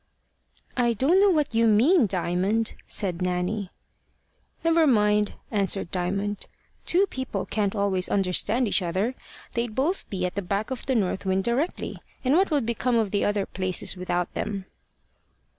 "I don't know what you mean, Diamond," said Nanny. "Never mind," answered Diamond. "Two people can't always understand each other. They'd both be at the back of the north wind directly, and what would become of the other places without them?"